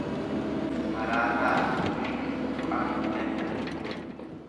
Maraataafi ibiddi tuqaa hin danda'an.